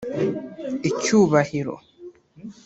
icyubahiro